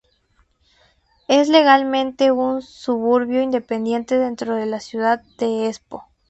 Es legalmente un suburbio independiente dentro de la ciudad de Espoo.